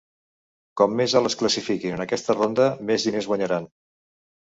Com més alt es classifiquin en aquesta ronda, més diners guanyaran.